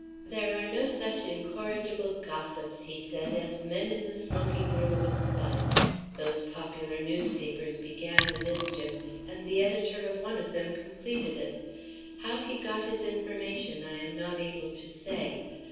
"There are no such incorrigible gossips," he said, "as men in the smoking room of a club. Those popular newspapers began the mischief, and the editor of one of them completed it. How he got his information I am not able to say.